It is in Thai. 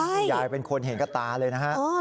ใช่คุณยายเป็นคนเห็นกระตาเลยนะฮะคุณยายเป็นคนเห็นกระตาเลยนะฮะ